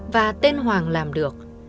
và tên hoàng làm được